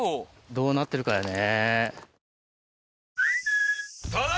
どうなってるかやね。